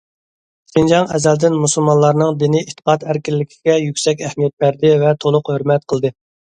شىنجاڭ ئەزەلدىن مۇسۇلمانلارنىڭ دىنىي ئېتىقاد ئەركىنلىكىگە يۈكسەك ئەھمىيەت بەردى ۋە تولۇق ھۆرمەت قىلدى.